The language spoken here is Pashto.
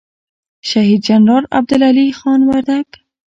شهید جنرال عبدالعلي خان وردگ